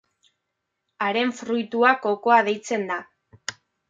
Haren fruitua kokoa deitzen da.